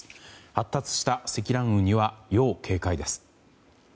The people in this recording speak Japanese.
発達した積乱雲には要警戒です。